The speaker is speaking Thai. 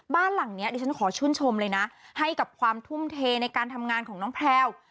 บ้านหลังนี้ดิฉันขอชื่นชมเลยนะให้กับความทุ่มเทในการทำงานของน้องแพลว